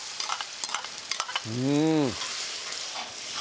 うん